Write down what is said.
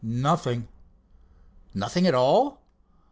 "Humph! nothing." "Nothing at all?"